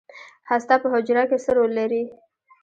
هسته په حجره کې څه رول لري؟